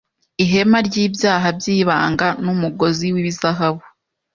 ihema ryibyaha byibanga Numugozi wizahabu